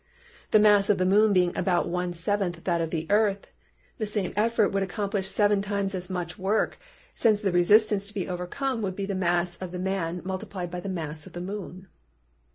The mass of the moon being about one seventh that of the earth, the same effort would accomplish seven times as much work, since the resistance to be overcome would be the mass of the man multiplied by the mass of the moon.